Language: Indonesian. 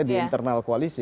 di internal koalisi